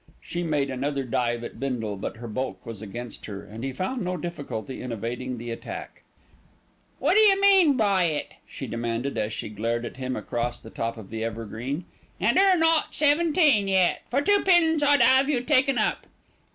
She made another dive at Bindle; but her bulk was against her, and he found no difficulty in evading the attack. "What d'you mean by it?" she demanded, as she glared at him across the top of the evergreen, "and 'er not seventeen yet. For two pins I'd have you taken up."